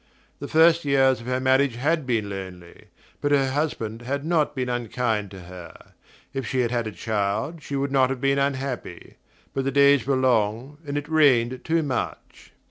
The first years of her marriage had been lonely; but her husband had not been unkind to her. If she had had a child she would not have been unhappy; but the days were long, and it rained too much.